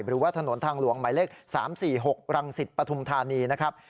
หรือว่าถนนทางหลวงหมายเลข๓๔๖รังสิตปฐุมธานีนะครับ